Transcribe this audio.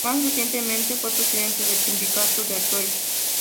Más recientemente, fue presidente del Sindicato de Actores.